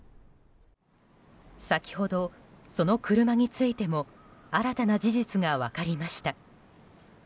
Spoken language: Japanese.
先ほど、その車についても新たな事実が分かりました。